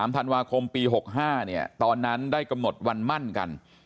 ธันวาคมปี๖๕ตอนนั้นได้กำหนดวันมั่นกัน